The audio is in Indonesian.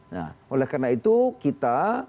nah oleh karena itu kita